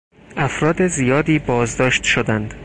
افراد زیادی بازداشت شدند.